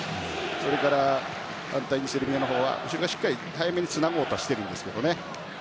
それから反対にセルビアは後ろがしっかり早めにつなごうとしてるんですけどね。